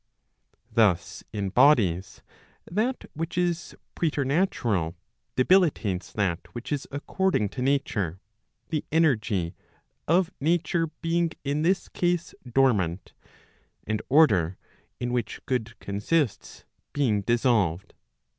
Thus in bodies, that which is preternatural, debilitates that which is according to nature, the energy, of nature being in this case dormant, and order, in which good consists, being dissolved.